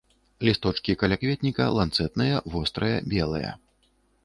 Лісточкі калякветніка ланцэтныя, вострыя, белыя.